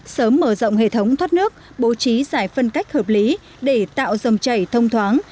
sớm mở rộng hệ thống thoát nước bố trí giải phân cách hợp lý để tạo dòng chảy thông thoáng